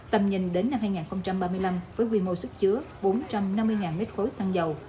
tầm nhìn đến năm hai nghìn ba mươi năm với quy mô sức chứa bốn trăm năm mươi m ba xăng dầu